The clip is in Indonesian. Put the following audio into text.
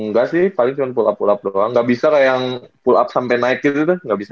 enggak sih paling cuma pull up pull up doang gak bisa lah yang pull up sampe naik gitu tuh gak bisa